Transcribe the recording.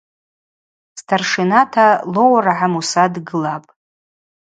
Старшината Лоургӏа Муса дгылапӏ.